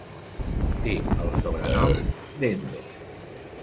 Té el sobrenom d'"Hendo".